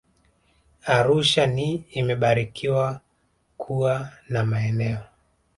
Arusha ni imebarikiwa kuwa na maeneo